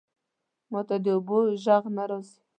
ماته د اوبو ژغ نه راځی